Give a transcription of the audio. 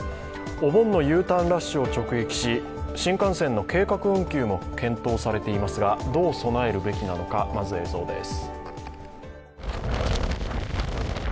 お盆のＵターンラッシュを直撃し、新幹線の計画運休も検討されていますがどう備えるべきなのか、まず映像です。